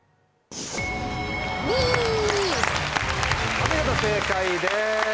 お見事正解です。